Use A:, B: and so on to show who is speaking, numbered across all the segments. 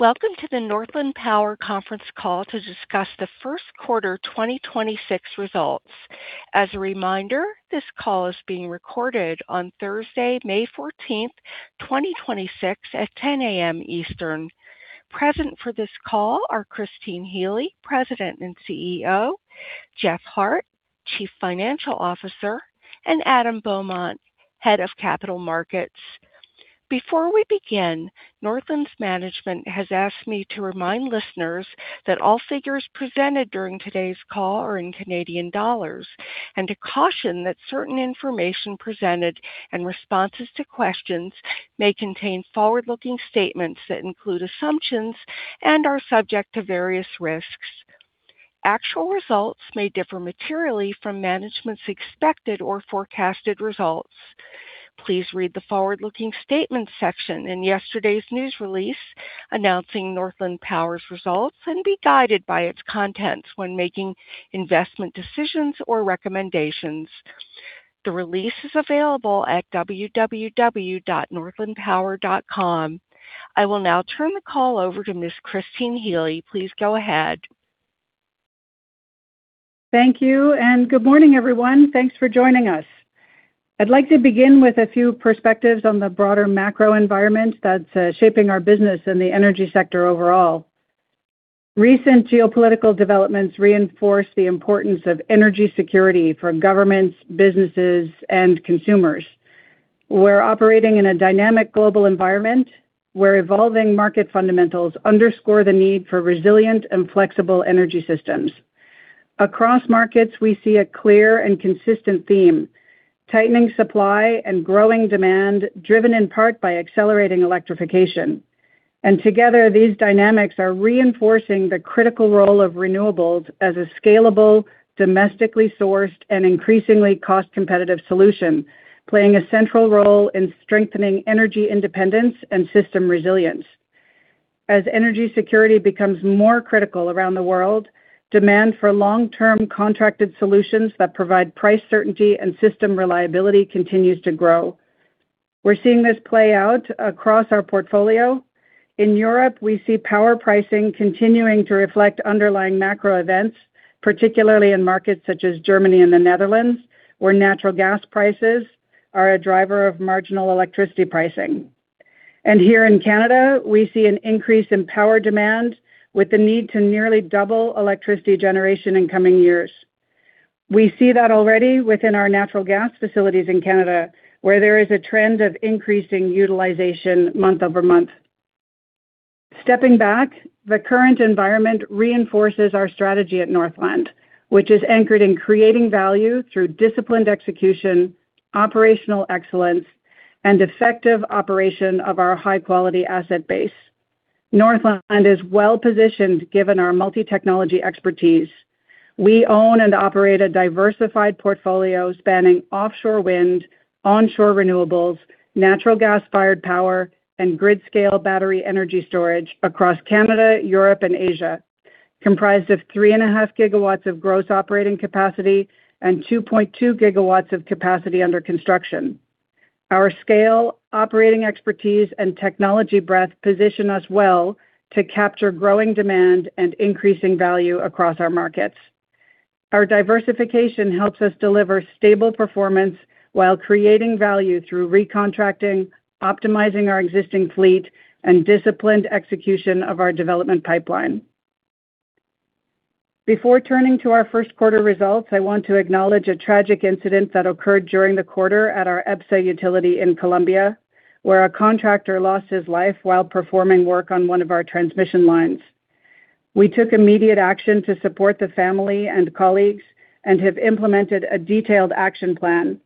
A: Welcome to the Northland Power conference call to discuss the first quarter 2026 results. As a reminder, this call is being recorded on Thursday, May 14, 2026, at 10:00 A.M. Eastern. Present for this call are Christine Healy, President and CEO, Jeff Hart, Chief Financial Officer, Adam Beaumont, Head of Capital Markets. Before we begin, Northland's management has asked me to remind listeners that all figures presented during today's call are in Canadian dollars, and to caution that certain information presented and responses to questions may contain forward-looking statements that include assumptions and are subject to various risks. Actual results may differ materially from management's expected or forecasted results. Please read the forward-looking statements section in yesterday's news release announcing Northland Power's results, and be guided by its contents when making investment decisions or recommendations. The release is available at www.northlandpower.com. I will now turn the call over to Ms. Christine Healy. Please go ahead.
B: Thank you, good morning, everyone. Thanks for joining us. I'd like to begin with a few perspectives on the broader macro environment that's shaping our business and the energy sector overall. Recent geopolitical developments reinforce the importance of energy security for governments, businesses, and consumers. We're operating in a dynamic global environment where evolving market fundamentals underscore the need for resilient and flexible energy systems. Across markets, we see a clear and consistent theme: tightening supply and growing demand, driven in part by accelerating electrification. Together, these dynamics are reinforcing the critical role of renewables as a scalable, domestically sourced, and increasingly cost-competitive solution, playing a central role in strengthening energy independence and system resilience. As energy security becomes more critical around the world, demand for long-term contracted solutions that provide price certainty and system reliability continues to grow. We're seeing this play out across our portfolio. In Europe, we see power pricing continuing to reflect underlying macro events, particularly in markets such as Germany and the Netherlands, where natural gas prices are a driver of marginal electricity pricing. Here in Canada, we see an increase in power demand with the need to nearly double electricity generation in coming years. We see that already within our natural gas facilities in Canada, where there is a trend of increasing utilization month-over-month. Stepping back, the current environment reinforces our strategy at Northland, which is anchored in creating value through disciplined execution, operational excellence, and effective operation of our high-quality asset base. Northland is well-positioned given our multi-technology expertise. We own and operate a diversified portfolio spanning offshore wind, onshore renewables, natural gas-fired power, and grid-scale battery energy storage across Canada, Europe, and Asia, comprised of 3.5 GW of gross operating capacity and 2.2 GW of capacity under construction. Our scale, operating expertise, and technology breadth position us well to capture growing demand and increasing value across our markets. Our diversification helps us deliver stable performance while creating value through recontracting, optimizing our existing fleet, and disciplined execution of our development pipeline. Before turning to our first quarter results, I want to acknowledge a tragic incident that occurred during the quarter at our EBSA utility in Colombia, where a contractor lost his life while performing work on one of our transmission lines. We took immediate action to support the family and colleagues and have implemented a detailed action plan.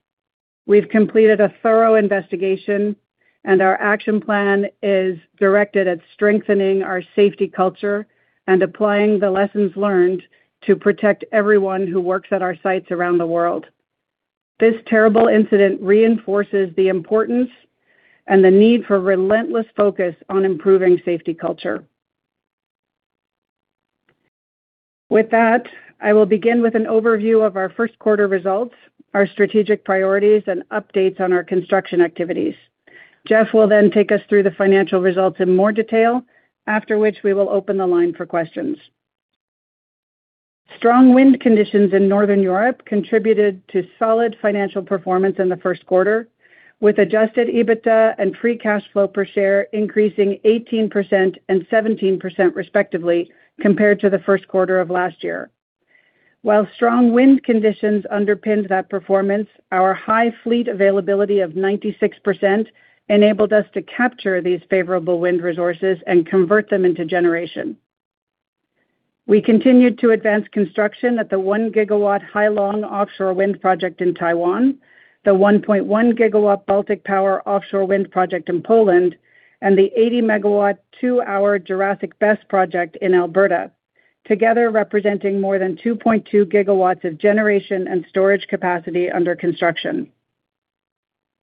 B: We've completed a thorough investigation, and our action plan is directed at strengthening our safety culture and applying the lessons learned to protect everyone who works at our sites around the world. This terrible incident reinforces the importance and the need for relentless focus on improving safety culture. With that, I will begin with an overview of our first quarter results, our strategic priorities, and updates on our construction activities. Jeff will then take us through the financial results in more detail, after which we will open the line for questions. Strong wind conditions in Northern Europe contributed to solid financial performance in the first quarter, with Adjusted EBITDA and Free Cash Flow per share increasing 18% and 17% respectively compared to the first quarter of last year. While strong wind conditions underpinned that performance, our high fleet availability of 96% enabled us to capture these favorable wind resources and convert them into generation. We continued to advance construction at the 1 GW Hai Long offshore wind project in Taiwan, the 1.1 GW Baltic Power offshore wind project in Poland, and the 80 MW two-hour Jurassic Solar+ project in Alberta, together representing more than 2.2 GW of generation and storage capacity under construction.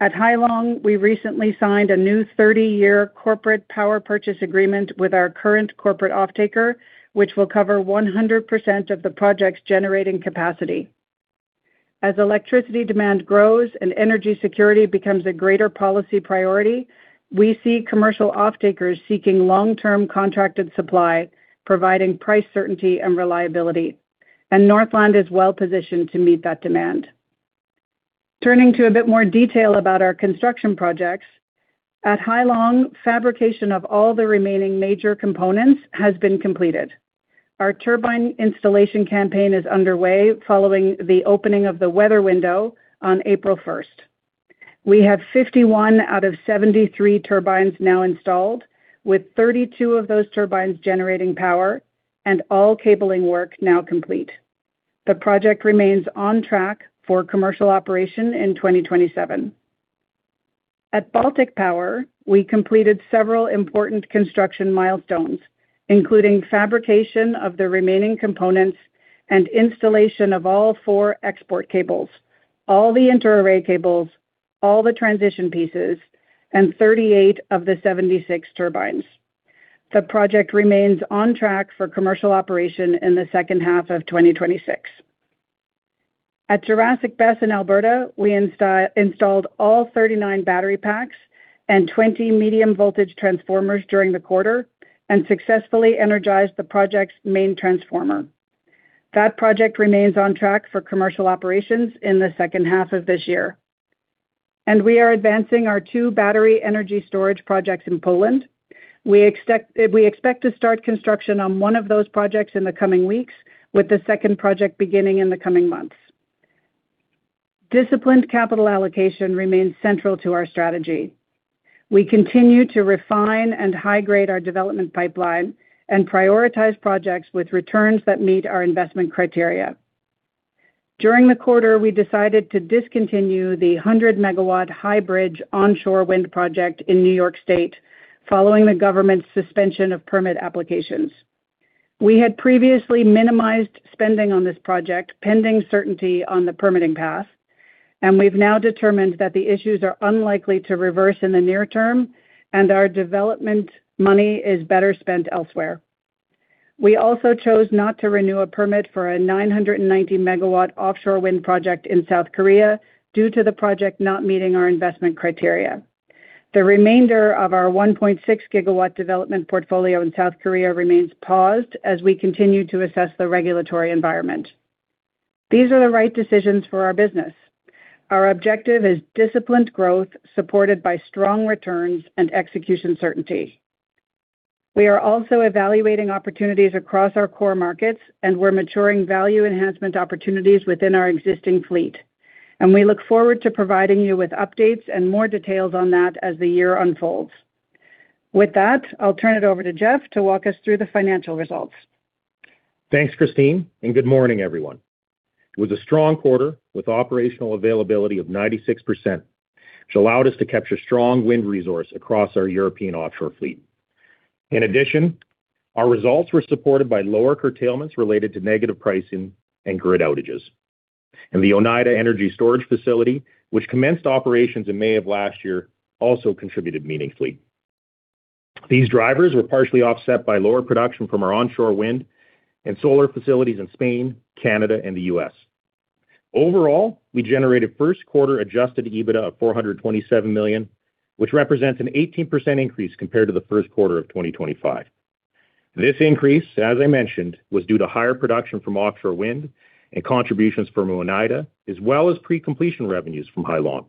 B: At Hai Long, we recently signed a new 30-year corporate power purchase agreement with our current corporate offtaker, which will cover 100% of the project's generating capacity. As electricity demand grows and energy security becomes a greater policy priority, we see commercial offtakers seeking long-term contracted supply, providing price certainty and reliability. Northland is well-positioned to meet that demand. Turning to a bit more detail about our construction projects. At Hai Long, fabrication of all the remaining major components has been completed. Our turbine installation campaign is underway following the opening of the weather window on April 1st. We have 51 out of 73 turbines now installed, with 32 of those turbines generating power and all cabling work now complete. The project remains on track for commercial operation in 2027. At Baltic Power, we completed several important construction milestones, including fabrication of the remaining components and installation of all four export cables, all the inter-array cables, all the transition pieces, and 38 of the 76 turbines. The project remains on track for commercial operation in the second half of 2026. At Jurassic Solar+ in Alberta, we installed all 39 battery packs and 20 medium voltage transformers during the quarter, and successfully energized the project's main transformer. That project remains on track for commercial operations in the second half of this year. We are advancing our two battery energy storage projects in Poland. We expect to start construction on one of those projects in the coming weeks, with the second project beginning in the coming months. Disciplined capital allocation remains central to our strategy. We continue to refine and high-grade our development pipeline and prioritize projects with returns that meet our investment criteria. During the quarter, we decided to discontinue the 100 MW High Bridge onshore wind project in New York State, following the government's suspension of permit applications. We had previously minimized spending on this project, pending certainty on the permitting path, and we've now determined that the issues are unlikely to reverse in the near term, and our development money is better spent elsewhere. We also chose not to renew a permit for a 990 MW offshore wind project in South Korea due to the project not meeting our investment criteria. The remainder of our 1.6 GW development portfolio in South Korea remains paused as we continue to assess the regulatory environment. These are the right decisions for our business. Our objective is disciplined growth, supported by strong returns and execution certainty. We are also evaluating opportunities across our core markets, and we're maturing value enhancement opportunities within our existing fleet. We look forward to providing you with updates and more details on that as the year unfolds. With that, I'll turn it over to Jeff to walk us through the financial results.
C: Thanks, Christine, and good morning, everyone. It was a strong quarter with operational availability of 96%, which allowed us to capture strong wind resource across our European offshore fleet. In addition, our results were supported by lower curtailments related to negative pricing and grid outages. The Oneida Energy Storage Facility, which commenced operations in May of last year, also contributed meaningfully. These drivers were partially offset by lower production from our onshore wind and solar facilities in Spain, Canada, and the U.S. Overall, we generated first quarter Adjusted EBITDA of 427 million, which represents an 18% increase compared to the first quarter of 2025. This increase, as I mentioned, was due to higher production from offshore wind and contributions from Oneida, as well as pre-completion revenues from Hai Long.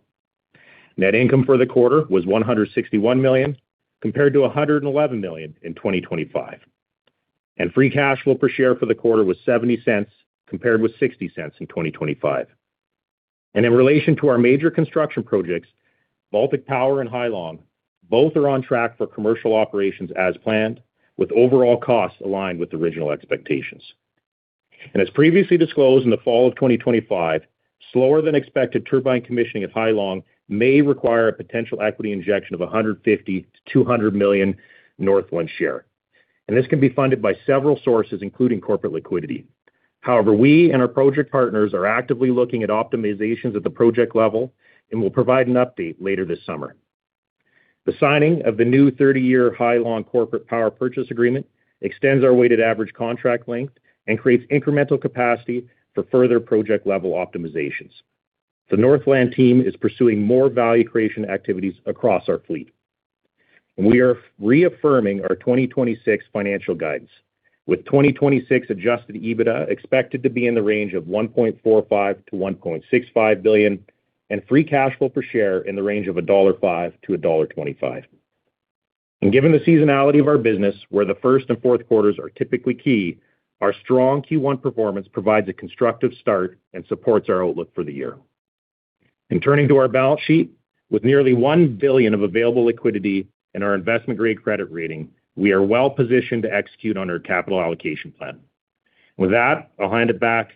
C: Net income for the quarter was 161 million, compared to 111 million in 2025. Free Cash Flow per share for the quarter was 0.70, compared with 0.60 in 2025. In relation to our major construction projects, Baltic Power and Hai Long, both are on track for commercial operations as planned, with overall costs aligned with original expectations. As previously disclosed in the fall of 2025, slower-than-expected turbine commissioning at Hai Long may require a potential equity injection of 150 million-200 million Northland share. This can be funded by several sources, including corporate liquidity. However, we and our project partners are actively looking at optimizations at the project level, and we'll provide an update later this summer. The signing of the new 30-year Hai Long corporate power purchase agreement extends our weighted average contract length and creates incremental capacity for further project-level optimizations. The Northland team is pursuing more value creation activities across our fleet. We are reaffirming our 2026 financial guidance, with 2026 Adjusted EBITDA expected to be in the range of 1.45 billion-1.65 billion, and Free Cash Flow per share in the range of 1.05-1.25 dollar. Given the seasonality of our business, where the first and fourth quarters are typically key, our strong Q1 performance provides a constructive start and supports our outlook for the year. Turning to our balance sheet, with nearly 1 billion of available liquidity and our investment-grade credit rating, we are well-positioned to execute on our capital allocation plan. With that, I'll hand it back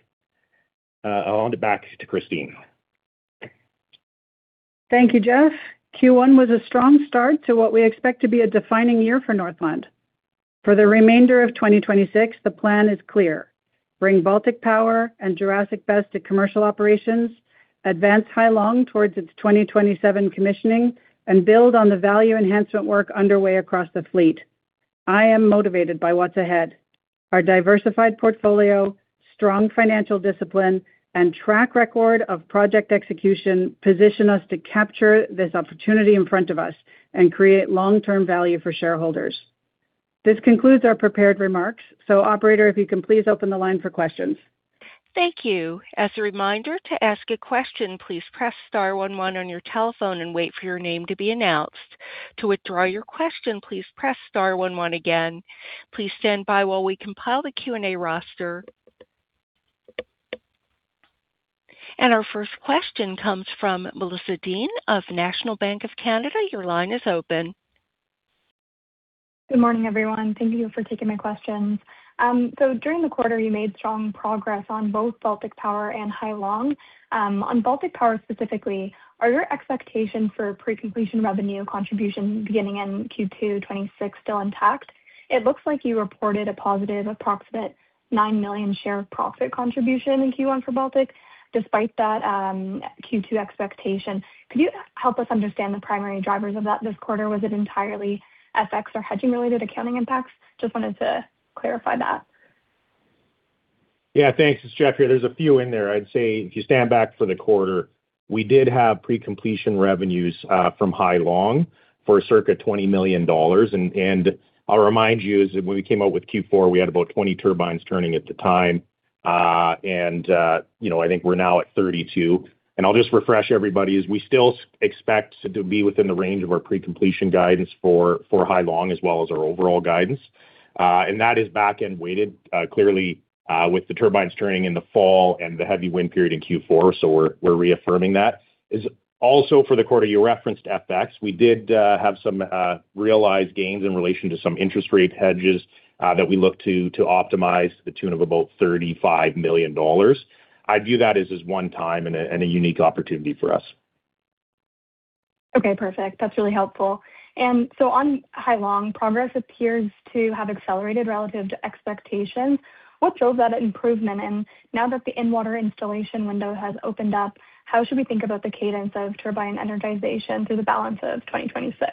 C: to Christine.
B: Thank you, Jeff. Q1 was a strong start to what we expect to be a defining year for Northland. For the remainder of 2026, the plan is clear. Bring Baltic Power and Jurassic BESS to commercial operations, advance Hai Long towards its 2027 commissioning, and build on the value enhancement work underway across the fleet. I am motivated by what's ahead. Our diversified portfolio, strong financial discipline, and track record of project execution position us to capture this opportunity in front of us and create long-term value for shareholders. This concludes our prepared remarks. Operator, if you can please open the line for questions.
A: Thank you. As a reminder to ask a question, please press star one one on your telephone and wait for your name to be announced. To withdraw your question, please press star one one again. Please stand by while we compile the Q&A roster. Our first question comes from Melissa Deane of National Bank of Canada. Your line is open.
D: Good morning, everyone. Thank you for taking my questions. During the quarter, you made strong progress on both Baltic Power and Hai Long. On Baltic Power specifically, are your expectations for pre-completion revenue contribution beginning in Q2 2026 still intact? It looks like you reported a positive approximate 9 million share of profit contribution in Q1 for Baltic. Despite that, Q2 expectation, could you help us understand the primary drivers of that this quarter? Was it entirely FX or hedging-related accounting impacts? Just wanted to clarify that.
C: Yeah, thanks. It's Jeff here. There's a few in there. I'd say if you stand back for the quarter, we did have pre-completion revenues from Hai Long for circa 20 million dollars. I'll remind you is when we came out with Q4, we had about 20 turbines turning at the time. You know, I think we're now at 32. I'll just refresh everybody, is we still expect to be within the range of our pre-completion guidance for Hai Long as well as our overall guidance. That is back-end weighted, clearly, with the turbines turning in the fall and the heavy wind period in Q4. We're reaffirming that. Is also for the quarter you referenced FX. We did have some realized gains in relation to some interest rate hedges, that we look to optimize to the tune of about 35 million dollars. I view that as one time and a unique opportunity for us.
D: Okay, perfect. That's really helpful. On Hai Long, progress appears to have accelerated relative to expectations. What drove that improvement? Now that the in-water installation window has opened up, how should we think about the cadence of turbine energization through the balance of 2026?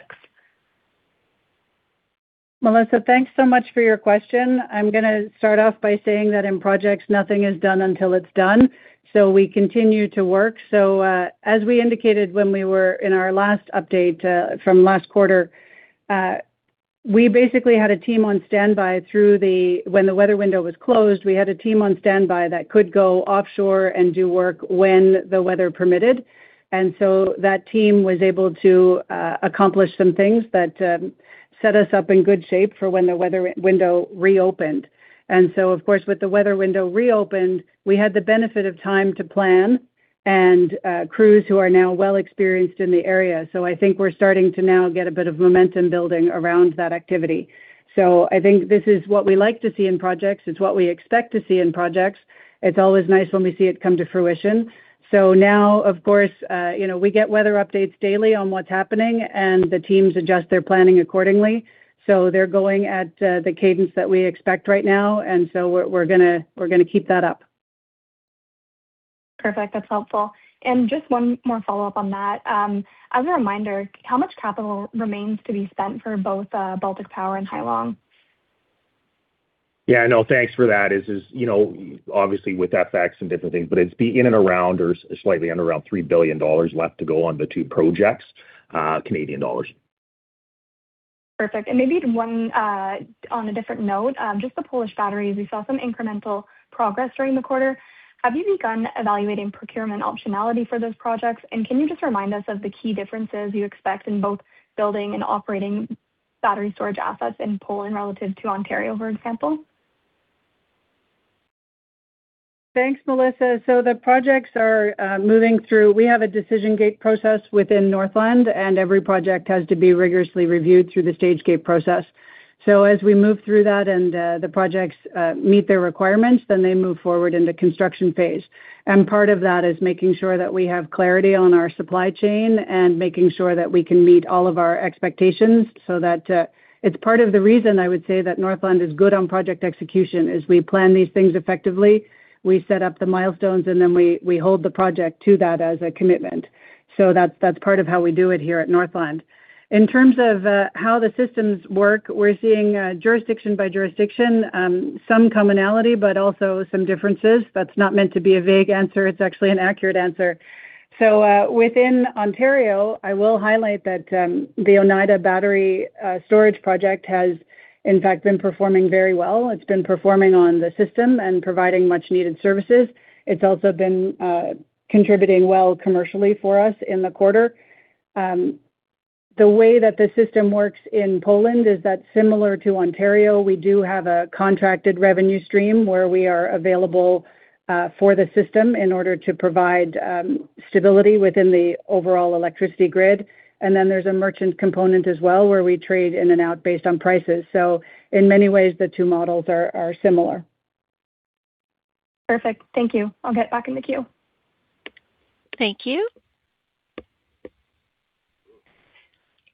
B: Melissa, thanks so much for your question. I'm gonna start off by saying that in projects, nothing is done until it's done, so we continue to work. As we indicated when we were in our last update from last quarter, when the weather window was closed, we had a team on standby that could go offshore and do work when the weather permitted. That team was able to accomplish some things that set us up in good shape for when the weather window reopened. Of course, with the weather window reopened, we had the benefit of time to plan and crews who are now well experienced in the area. I think we're starting to now get a bit of momentum building around that activity. I think this is what we like to see in projects. It's what we expect to see in projects. It's always nice when we see it come to fruition. Now, of course, you know, we get weather updates daily on what's happening, and the teams adjust their planning accordingly. They're going at the cadence that we expect right now. We're gonna keep that up.
D: Perfect. That's helpful. Just one more follow-up on that. As a reminder, how much capital remains to be spent for both, Baltic Power and Hai Long?
C: Yeah, no, thanks for that. You know, obviously with FX and different things, it's in and around or slightly under around 3 billion dollars left to go on the two projects, Canadian dollars.
D: Perfect. Maybe one on a different note, just the Polish batteries. We saw some incremental progress during the quarter. Have you begun evaluating procurement optionality for those projects? Can you just remind us of the key differences you expect in both building and operating battery storage assets in Poland relative to Ontario, for example?
B: Thanks, Melissa. The projects are moving through. We have a decision gate process within Northland, and every project has to be rigorously reviewed through the stage gate process. As we move through that and the projects meet their requirements, they move forward in the construction phase. Part of that is making sure that we have clarity on our supply chain and making sure that we can meet all of our expectations so that. It's part of the reason I would say that Northland is good on project execution, is we plan these things effectively. We set up the milestones, we hold the project to that as a commitment. That's part of how we do it here at Northland. In terms of how the systems work, we're seeing jurisdiction by jurisdiction, some commonality, but also some differences. That's not meant to be a vague answer. It's actually an accurate answer. Within Ontario, I will highlight that the Oneida Battery Storage Project has in fact been performing very well. It's been performing on the system and providing much needed services. It's also been contributing well commercially for us in the quarter. The way that the system works in Poland is that similar to Ontario, we do have a contracted revenue stream where we are available for the system in order to provide stability within the overall electricity grid. There's a merchant component as well, where we trade in and out based on prices. In many ways, the two models are similar.
D: Perfect. Thank you. I'll get back in the queue.
A: Thank you.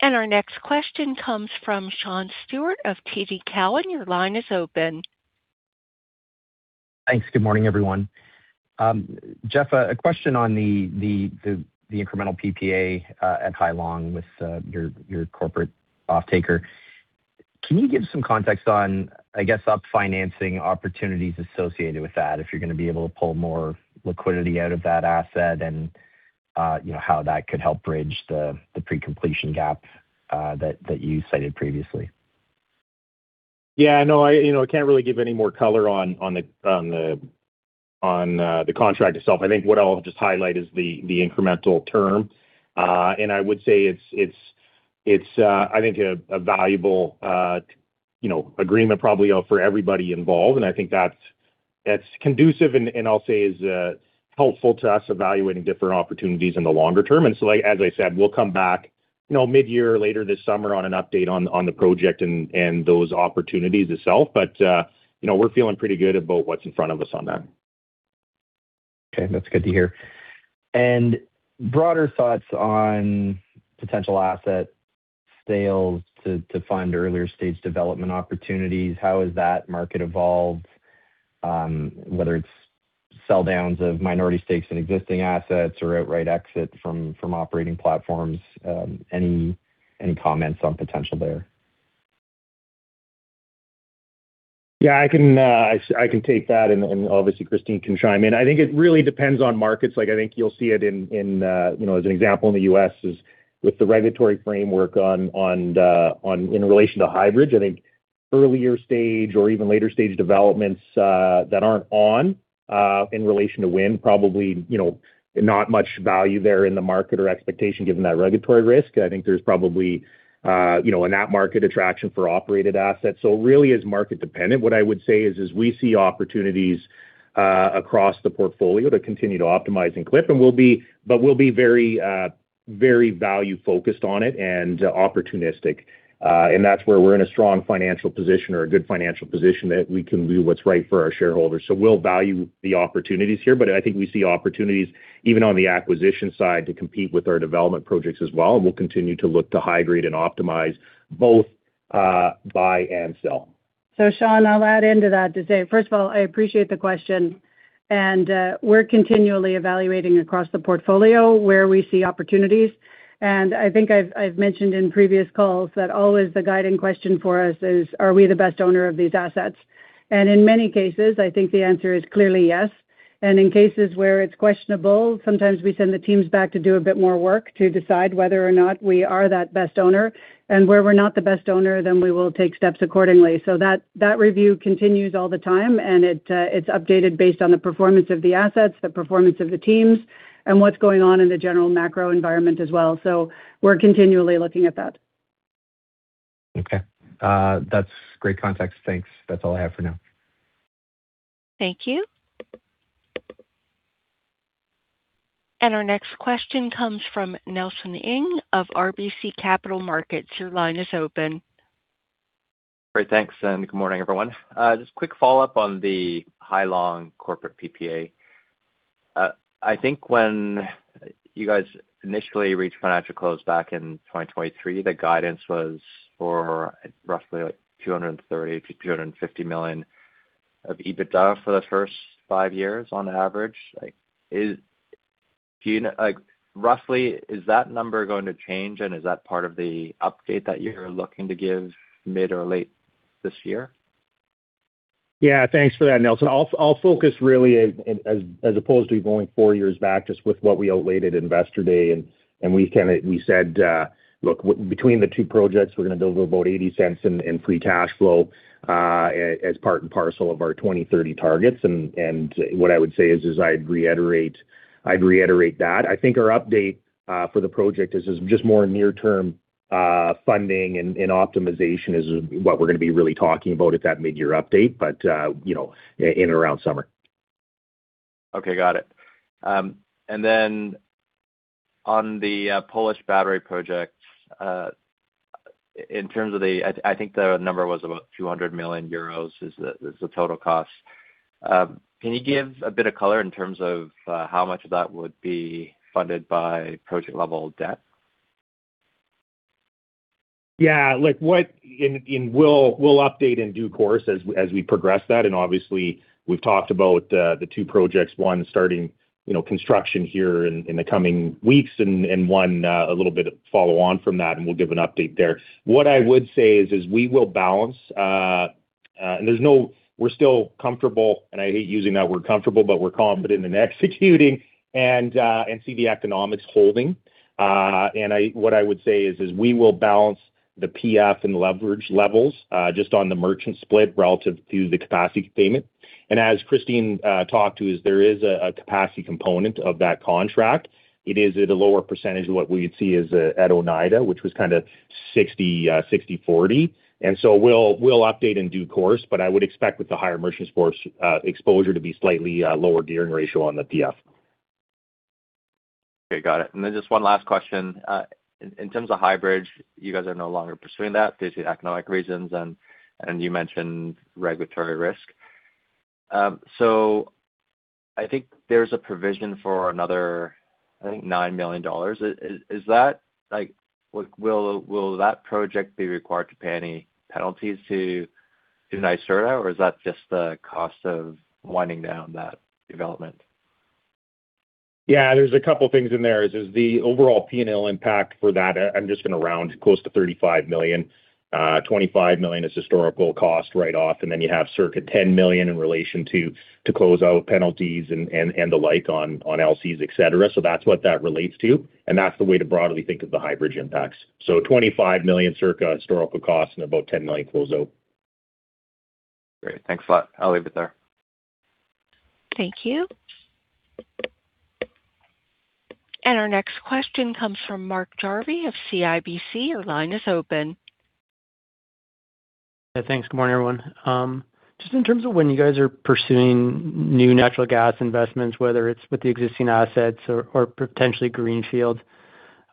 A: Our next question comes from Sean Steuart of TD Cowen. Your line is open.
E: Thanks. Good morning, everyone. Jeff, a question on the incremental PPA at Hai Long with your corporate offtaker. Can you give some context on, I guess, up financing opportunities associated with that, if you're gonna be able to pull more liquidity out of that asset and, you know, how that could help bridge the pre-completion gap that you cited previously?
C: Yeah, no, I, you know, I can't really give any more color on the contract itself. I think what I'll just highlight is the incremental term. I would say it's, it's, I think a valuable, you know, agreement probably for everybody involved. I think that's conducive and I'll say is helpful to us evaluating different opportunities in the longer term. So, like, as I said, we'll come back, you know, mid-year later this summer on an update on the project and those opportunities itself. You know, we're feeling pretty good about what's in front of us on that.
E: Okay, that's good to hear. Broader thoughts on potential asset sales to fund earlier stage development opportunities, how has that market evolved, whether it's sell downs of minority stakes in existing assets or outright exit from operating platforms? Any comments on potential there?
C: I can take that and obviously Christine can chime in. I think it really depends on markets. I think you'll see it in, you know, as an example in the U.S. is with the regulatory framework in relation to High Bridge, I think earlier stage or even later stage developments that aren't on in relation to wind probably, you know, not much value there in the market or expectation given that regulatory risk. I think there's probably, you know, in that market attraction for operated assets. Really is market dependent. What I would say is we see opportunities across the portfolio to continue to optimize and clip and we'll be very, very value focused on it and opportunistic. That's where we're in a strong financial position or a good financial position that we can do what's right for our shareholders. We'll value the opportunities here, but I think we see opportunities even on the acquisition side to compete with our development projects as well. We'll continue to look to high-grade and optimize both buy and sell.
B: Sean, I'll add into that to say, first of all, I appreciate the question, and we're continually evaluating across the portfolio where we see opportunities. I think I've mentioned in previous calls that always the guiding question for us is, are we the best owner of these assets? In many cases, I think the answer is clearly yes. In cases where it's questionable, sometimes we send the teams back to do a bit more work to decide whether or not we are that best owner. Where we're not the best owner, we will take steps accordingly. That review continues all the time, and it's updated based on the performance of the assets, the performance of the teams, and what's going on in the general macro environment as well. We're continually looking at that.
E: Okay. That's great context. Thanks. That's all I have for now.
A: Thank you. Our next question comes from Nelson Ng of RBC Capital Markets. Your line is open.
F: Great. Thanks, and good morning, everyone. Just a quick follow-up on the Hai Long corporate PPA. I think when you guys initially reached financial close back in 2023, the guidance was for roughly like 230 million-250 million of EBITDA for the first five years on average. Like, do you know, like, roughly is that number going to change, and is that part of the update that you're looking to give mid or late this year?
C: Yeah, thanks for that, Nelson. I'll focus really as opposed to going four years back, just with what we outlaid at Investor Day. We kinda, we said, look, between the two projects, we're gonna build about 0.80 in free cash flow, as part and parcel of our 2030 targets. What I would say is, I'd reiterate that. I think our update for the project is just more near term funding and optimization is what we're gonna be really talking about at that mid-year update. You know, in and around summer.
F: Okay, got it. On the Polish battery project, in terms of the, I think the number was about 200 million euros is the total cost. Can you give a bit of color in terms of how much of that would be funded by project-level debt?
C: Yeah. Like, what. We'll update in due course as we progress that. Obviously, we've talked about the two projects, one starting, you know, construction here in the coming weeks and one a little bit of follow on from that, and we'll give an update there. What I would say is we will balance, we're still comfortable, and I hate using that word comfortable, but we're confident in executing and see the economics holding. What I would say is we will balance the PF and leverage levels just on the merchant split relative to the capacity payment. As Christine talked to is there is a capacity component of that contract. It is at a lower percentage of what we would see is, at Oneida, which was kinda 60/40. We'll update in due course, but I would expect with the higher merchant exposure to be slightly lower gearing ratio on the PF.
F: Okay. Got it. Just one last question. In terms of High Bridge, you guys are no longer pursuing that due to economic reasons, and you mentioned regulatory risk. I think there's a provision for another, I think, 9 million dollars. Is that like Will that project be required to pay any penalties to NYSERDA, or is that just the cost of winding down that development?
C: Yeah, there's a couple things in there. Is the overall P&L impact for that, I'm just gonna round close to 35 million. 25 million is historical cost write-off, and then you have circa 10 million in relation to close out penalties and the like on LCs, et cetera. That's what that relates to, and that's the way to broadly think of the High Bridge impacts. 25 million circa historical costs and about 10 million closeout.
F: Great. Thanks a lot. I'll leave it there.
A: Thank you. Our next question comes from Mark Jarvi of CIBC.
G: Yeah, thanks. Good morning, everyone. Just in terms of when you guys are pursuing new natural gas investments, whether it's with the existing assets or potentially greenfield,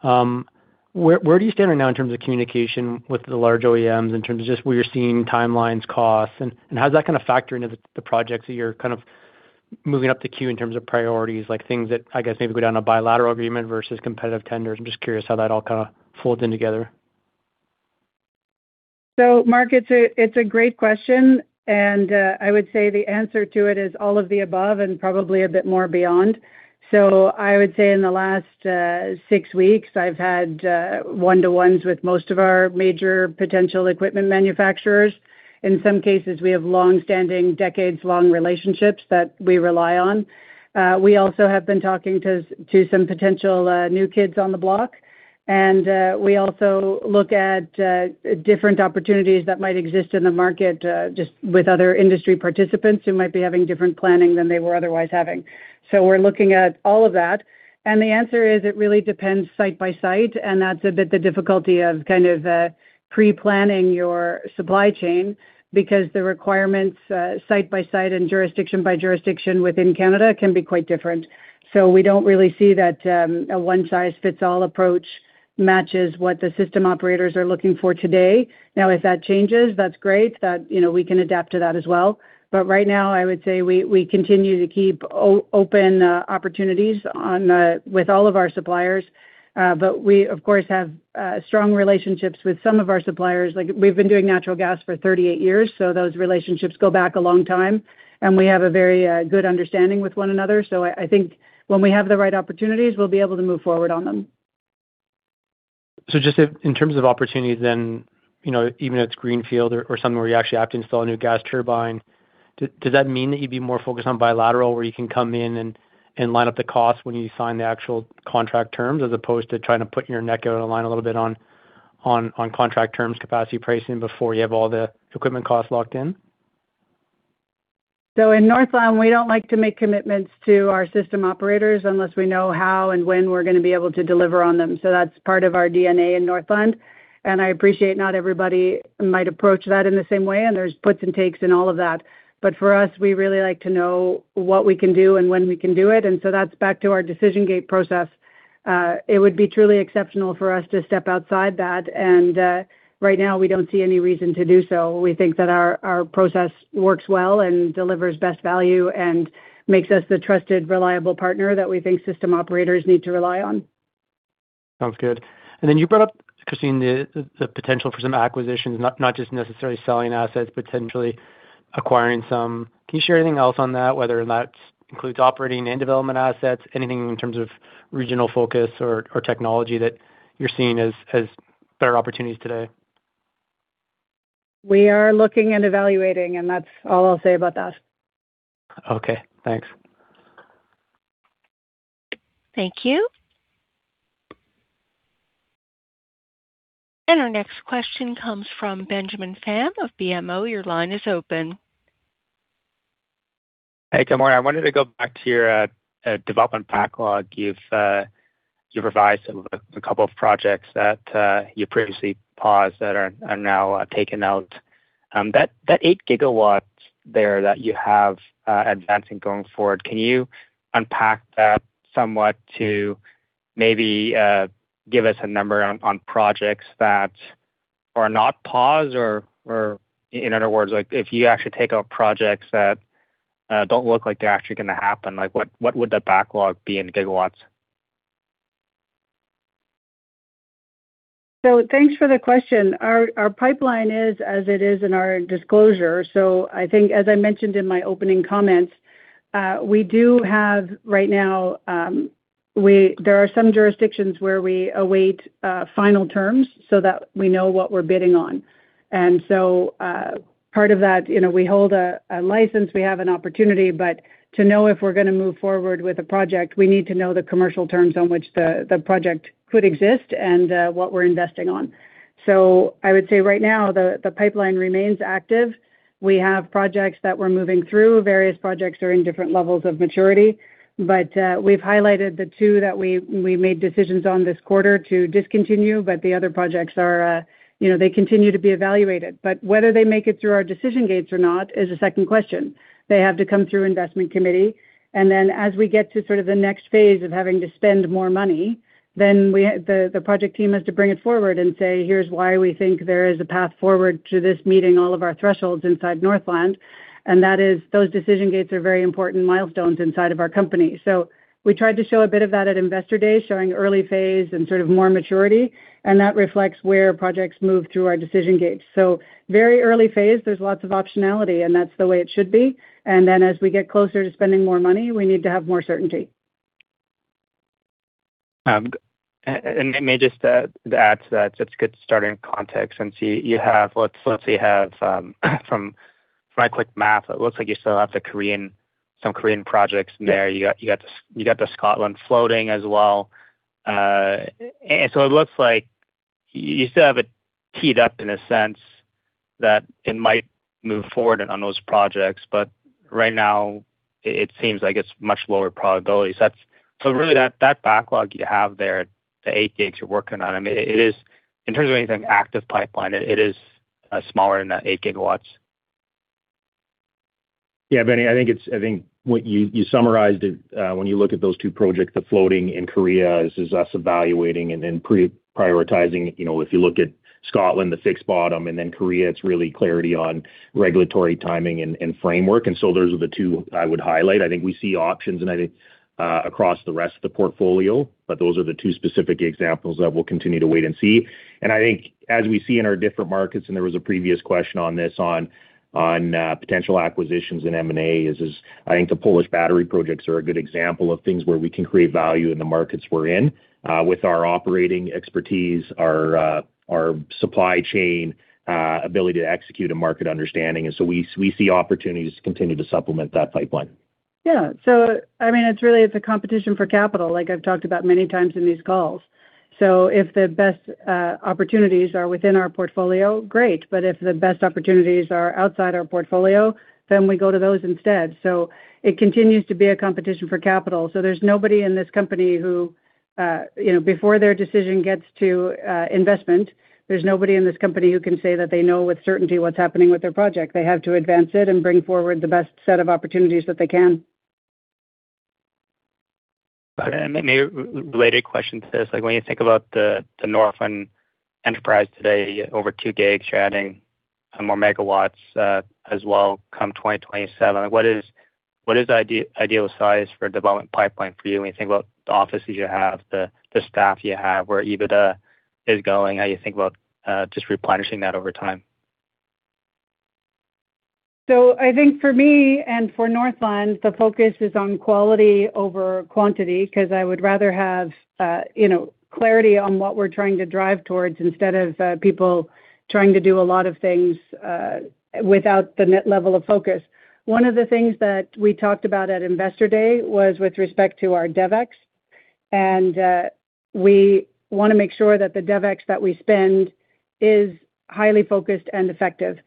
G: where do you stand right now in terms of communication with the large OEMs in terms of just where you're seeing timelines, costs? How does that kind of factor into the projects that you're kind of moving up the queue in terms of priorities, like things that, I guess, maybe go down a bilateral agreement versus competitive tenders? I'm just curious how that all kind of folds in together.
B: Mark, it's a great question. I would say the answer to it is all of the above and probably a bit more beyond. I would say in the last six weeks, I've had one-to-ones with most of our major potential equipment manufacturers. In some cases, we have long-standing, decades-long relationships that we rely on. We also have been talking to some potential new kids on the block. We also look at different opportunities that might exist in the market, just with other industry participants who might be having different planning than they were otherwise having. We're looking at all of that. The answer is, it really depends site by site, and that's a bit the difficulty of kind of pre-planning your supply chain because the requirements site by site and jurisdiction by jurisdiction within Canada can be quite different. We don't really see that a one-size-fits-all approach matches what the system operators are looking for today. Now, if that changes, that's great. That, you know, we can adapt to that as well. Right now, I would say we continue to keep open opportunities on with all of our suppliers. But we, of course, have strong relationships with some of our suppliers. Like, we've been doing natural gas for 38 years, so those relationships go back a long time, and we have a very good understanding with one another. I think when we have the right opportunities, we'll be able to move forward on them.
G: Just if, in terms of opportunities then, you know, even if it's greenfield or something where you actually have to install a new gas turbine, does that mean that you'd be more focused on bilateral where you can come in and line up the costs when you sign the actual contract terms, as opposed to trying to put your neck out on the line a little bit on contract terms, capacity pricing before you have all the equipment costs locked in?
B: In Northland Power, we don't like to make commitments to our system operators unless we know how and when we're going to be able to deliver on them. That's part of our DNA in Northland Power. I appreciate not everybody might approach that in the same way, and there's puts and takes in all of that. For us, we really like to know what we can do and when we can do it. That's back to our decision gate process. It would be truly exceptional for us to step outside that. Right now, we don't see any reason to do so. We think that our process works well and delivers best value and makes us the trusted, reliable partner that we think system operators need to rely on.
G: Sounds good. Then you brought up, Christine, the potential for some acquisitions, not just necessarily selling assets, potentially acquiring some. Can you share anything else on that, whether that includes operating and development assets, anything in terms of regional focus or technology that you're seeing as better opportunities today?
B: We are looking and evaluating, and that's all I'll say about that.
G: Okay, thanks.
A: Thank you. Our next question comes from Benjamin Pham of BMO. Your line is open.
H: Hey, good morning. I wanted to go back to your development backlog. You've revised a couple of projects that you previously paused that are now taken out. That 8 GW there that you have advancing going forward, can you unpack that somewhat to maybe give us a number on projects that are not paused? In other words, like if you actually take out projects that don't look like they're actually going to happen, like what would the backlog be in gigawatts?
B: Thanks for the question. Our pipeline is as it is in our disclosure. I think as I mentioned in my opening comments, we do have right now, there are some jurisdictions where we await final terms so that we know what we're bidding on. Part of that, you know, we hold a license, we have an opportunity, but to know if we're gonna move forward with a project, we need to know the commercial terms on which the project could exist and what we're investing on. I would say right now, the pipeline remains active. We have projects that we're moving through. Various projects are in different levels of maturity. We've highlighted the two that we made decisions on this quarter to discontinue, but the other projects are, you know, they continue to be evaluated. Whether they make it through our decision gates or not is a second question. They have to come through investment committee, and then as we get to sort of the next phase of having to spend more money, then we, the project team has to bring it forward and say, here's why we think there is a path forward to this meeting all of our thresholds inside Northland. That is those decision gates are very important milestones inside of our company. We tried to show a bit of that at Investor Day, showing early phase and sort of more maturity, and that reflects where projects move through our decision gates. Very early phase, there's lots of optionality, and that's the way it should be. Then as we get closer to spending more money, we need to have more certainty.
H: May just to add to that, it's a good starting context since you, let's say you have from my quick math, it looks like you still have the Korean, some Korean projects there. You got this, you got the Scotland floating as well. It looks like you still have it teed up in a sense that it might move forward and on those projects, but right now it seems like it's much lower probability. Really that backlog you have there, the 8 GW you're working on, I mean, it is, in terms of anything active pipeline, it is smaller than that 8 GW.
C: Yeah, Ben, I think what you summarized it, when you look at those two projects, the floating in Korea is us evaluating and then pre-prioritizing. You know, if you look at Scotland, the fixed bottom, and then Korea, it's really clarity on regulatory timing and framework. Those are the two I would highlight. I think we see options and I think across the rest of the portfolio, but those are the two specific examples that we'll continue to wait and see. I think as we see in our different markets, there was a previous question on this on potential acquisitions in M&A is I think the Polish battery projects are a good example of things where we can create value in the markets we're in, with our operating expertise, our supply chain, ability to execute a market understanding. We see opportunities to continue to supplement that pipeline.
B: I mean, it's really, it's a competition for capital, like I've talked about many times in these calls. If the best opportunities are within our portfolio, great. If the best opportunities are outside our portfolio, then we go to those instead. It continues to be a competition for capital. There's nobody in this company who, you know, before their decision gets to investment, there's nobody in this company who can say that they know with certainty what's happening with their project. They have to advance it and bring forward the best set of opportunities that they can.
H: A related question to this, like when you think about the Northland enterprise today, over 2 GW, you're adding some more megawatts, as well come 2027, what is the ideal size for development pipeline for you when you think about the offices you have, the staff you have, where EBITDA is going? How you think about, just replenishing that over time?
B: I think for me and for Northland, the focus is on quality over quantity, 'cause I would rather have, you know, clarity on what we're trying to drive towards instead of people trying to do a lot of things without the net level of focus. One of the things that we talked about at Investor Day was with respect to our DEVEX. We wanna make sure that the DEVEX that we spend is highly focused and effective.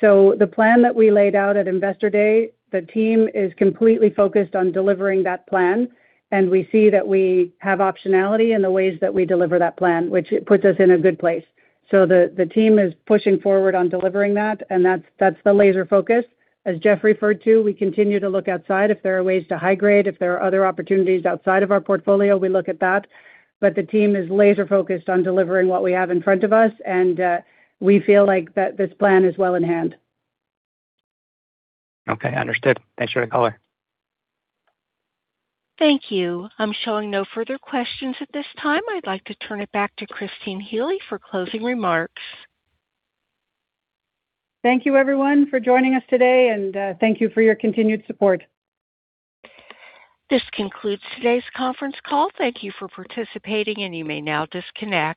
B: The plan that we laid out at Investor Day, the team is completely focused on delivering that plan, and we see that we have optionality in the ways that we deliver that plan, which it puts us in a good place. The team is pushing forward on delivering that, and that's the laser focus. As Jeff referred to, we continue to look outside. If there are ways to high grade, if there are other opportunities outside of our portfolio, we look at that. The team is laser focused on delivering what we have in front of us, and we feel like that this plan is well in hand.
H: Okay. Understood. Thanks for the color.
A: Thank you. I'm showing no further questions at this time. I'd like to turn it back to Christine Healy for closing remarks.
B: Thank you everyone for joining us today, and, thank you for your continued support.
A: This concludes today's conference call. Thank you for participating, and you may now disconnect.